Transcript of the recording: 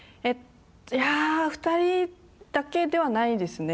いやあ、２人だけではないですね。